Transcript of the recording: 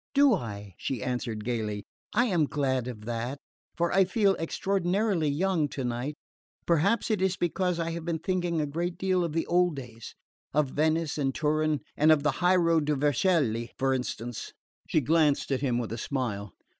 "Do I?" she answered gaily. "I am glad of that, for I feel extraordinarily young tonight. Perhaps it is because I have been thinking a great deal of the old days of Venice and Turin and of the high road to Vercelli, for instance." She glanced at him with a smile.